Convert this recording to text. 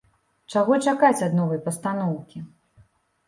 Чаго чакаць ад новай пастаноўкі?